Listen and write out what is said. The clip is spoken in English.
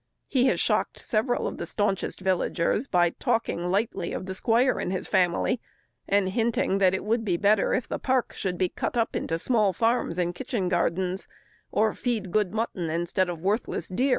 He has shocked several of the staunchest villagers by talking lightly of the squire and his family; and hinting that it would be better the park should be cut up into small farms and kitchen gardens, or feed good mutton instead of worthless deer.